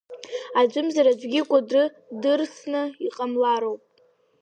Аӡәымзар аӡәгьы Кәыдры дырсны иҟамлароуп.